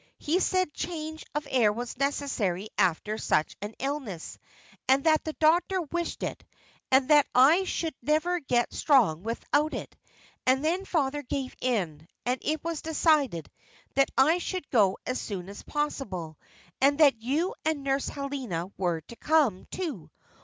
He said change of air was necessary after such an illness, and that the doctor wished it, and that I should never get strong without it. And then father gave in, and it was decided that I should go as soon as possible, and that you and Nurse Helena were to come, too.